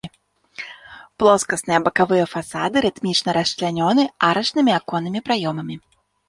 Плоскасныя бакавыя фасады рытмічна расчлянёны арачнымі аконнымі праёмамі.